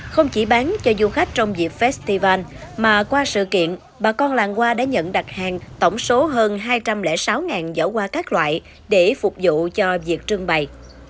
không chỉ bán cho du khách trong dịp festival mà qua sự kiện bà con làng hoa đã nhận đặt hàng tổng số hơn hai trăm linh sáu giỏ hoa các loại để phục vụ cho việc trưng bày